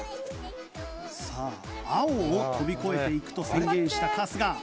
さあ青を跳び越えていくと宣言した春日。